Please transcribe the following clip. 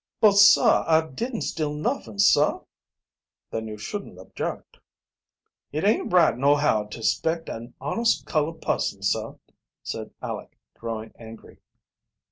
"But, sah, I didn't steal nuffin, sah." "Then you shouldn't object." "It aint right nohow to 'spect an honest colored pusson, sah," said Aleck, growing angry.